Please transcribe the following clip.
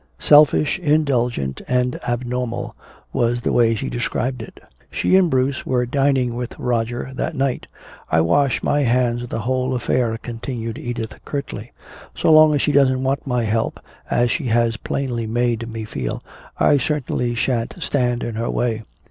"Selfish, indulgent and abnormal," was the way she described it. She and Bruce were dining with Roger that night. "I wash my hands of the whole affair," continued Edith curtly. "So long as she doesn't want my help, as she has plainly made me feel, I certainly shan't stand in her way."